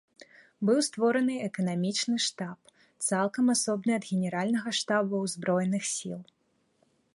Быў створаны эканамічны штаб, цалкам асобны ад генеральнага штаба ўзброеных сіл.